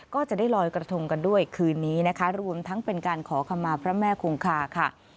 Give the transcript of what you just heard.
ก็จะได้ลอยกระทงกันด้วยคืนนี้นะคะรวมทั้งเป็นการขอคำมาพระแม่คงคาค่ะ